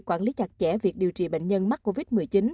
quản lý chặt chẽ việc điều trị bệnh nhân mắc covid một mươi chín